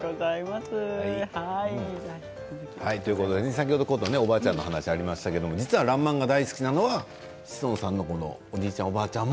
先ほど、おばあちゃんの話がありましたが、実は「らんまん」が大好きなのは志尊さんのおじいちゃんおばあちゃんも。